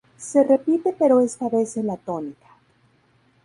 Se repite pero esta vez en la tónica.